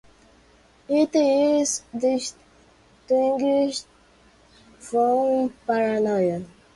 It is distinguished from paranoia.